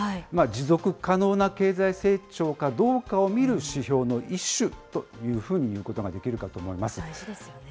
持続可能な経済成長かどうかを見る指標の一種というふうに言うこ大事ですよね。